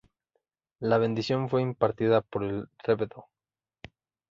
La bendición fue impartida por el Rvdo.